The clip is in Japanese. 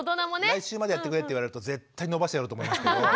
「来週までやってくれ」って言われると絶対延ばしてやろうと思いますけど。